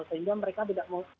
sehingga mereka tidak mau